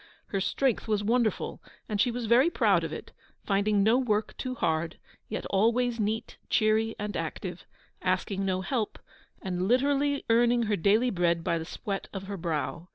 Her strength was wonderful, and she was very proud of it finding no work too hard, yet always neat, cheery, and active; asking no help, and literally earning her daily bread by the sweat of her brow.